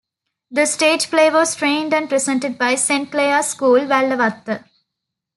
The stage play was trained and presented by Saint Clare's School, Wellawatte.